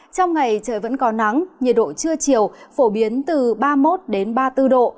trong ngày trời vẫn có nắng nhiệt độ trưa chiều phổ biến từ ba mươi một ba mươi bốn độ